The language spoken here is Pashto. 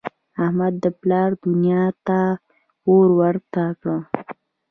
احمد د پلار دونیا ته اور ورته کړ.